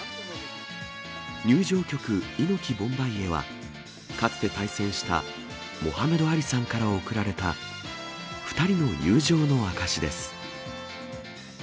入場曲、イノキボンバイエは、かつて対戦したモハメド・アリさんから贈られた２人の友情の証しです。